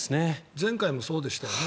前回もそうでしたよね。